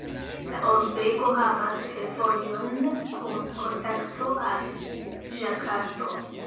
La urbego havas fervojon kun kontakto al Ĝakarto.